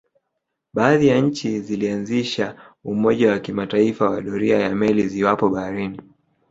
Baadhi ya nchi zilianzisha umoja wa kimataifa wa doria ya meli ziwapo baharini